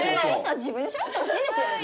自分で処理してほしいですよね！